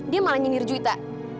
dia malah nyindir juwita